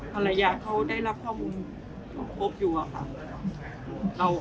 ภรรยาเขาได้รับข้อมูลครบอยู่อะค่ะ